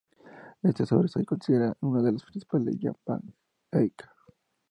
Esta obra es hoy considerada una de las principales de Jan van Eyck.